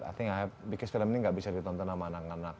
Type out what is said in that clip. i think i have because film ini nggak bisa ditonton sama anak anak